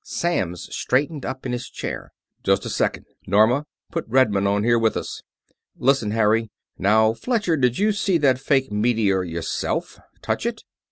Samms straightened up in his chair. "Just a second. Norma, put Redmond on here with us.... Listen, Harry. Now, Fletcher, did you see that fake meteor yourself? Touch it?"